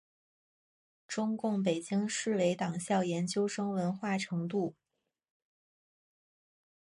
中共北京市委党校研究生文化程度。